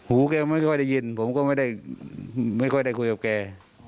หูแกไม่ค่อยได้ยินผมก็ไม่ค่อยได้คุยกับแก